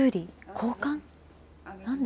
交換？